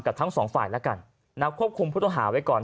ทั้งสองฝ่ายแล้วกันนะควบคุมผู้ต้องหาไว้ก่อน